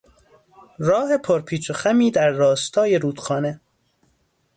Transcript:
راه پریپچ و خمی در راستای رودخانه